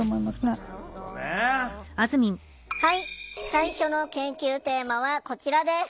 最初の研究テーマはこちらです。